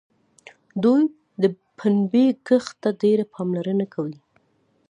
دوی د پنبې کښت ته ډېره پاملرنه کوي.